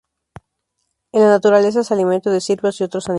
En la naturaleza es alimento de ciervos y otros animales.